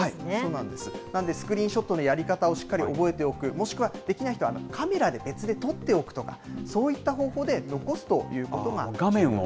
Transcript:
なので、スクリーンショットのやり方をしっかり覚えておく、もしくはできない人はカメラで別で撮っておくとか、そういった方法で残すということが。